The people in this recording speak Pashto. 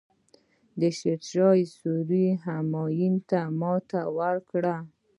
شیرشاه سوري همایون ته ماتې ورکړه.